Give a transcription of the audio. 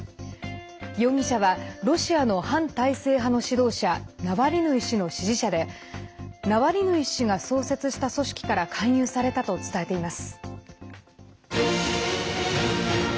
容疑者はロシアの反体制派の指導者ナワリヌイ氏の支持者でナワリヌイ氏が創設した組織から勧誘されたと伝えています。